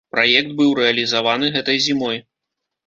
Праект быў рэалізаваны гэтай зімой.